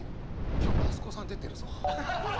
今日増子さん出てるぞ。